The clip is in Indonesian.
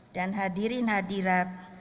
dan hadirin hadirat